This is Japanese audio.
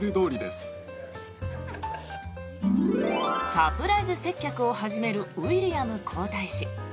サプライズ接客を始めるウィリアム皇太子。